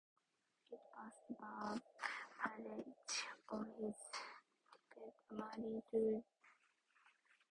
It passed by marriage of his daughter Mary to Nicholas Sutherland.